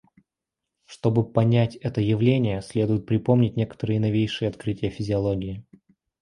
Чтобы понять это явление, следует припомнить некоторые новейшие открытия физиологии.